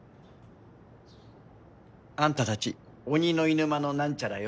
あんたたち鬼のいぬ間のなんちゃらよ。